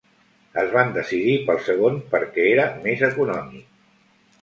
Es van decidir pel segon perquè era més econòmic.